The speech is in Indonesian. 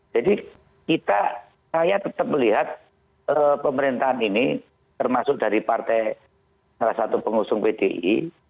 jadi kita saya tetap melihat pemerintahan ini termasuk dari partai salah satu pengusung pdi